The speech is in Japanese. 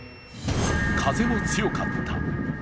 風も強かった。